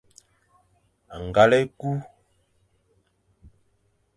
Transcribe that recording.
Ngal e ku.